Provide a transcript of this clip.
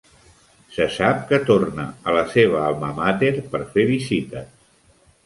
Se sap que torna a la seva alma mater per fer visites.